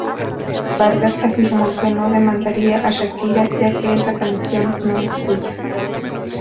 Vargas afirmó que no demandaría a Shakira, ya que esa canción no es suya.